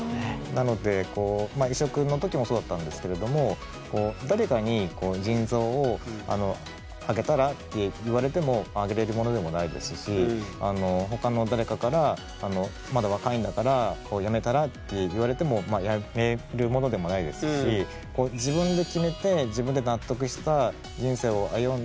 なのでこう移植の時もそうだったんですけれども誰かに「腎臓をあげたら」って言われてもあげれるものでもないですし他の誰かから「まだ若いんだからやめたら？」って言われてもやめるものでもないですしを歩んで。